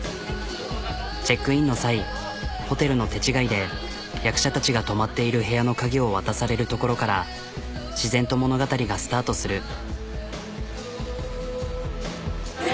チェックインの際ホテルの手違いで役者たちが泊まっている部屋の鍵を渡されるところから自然と物語がスタートする。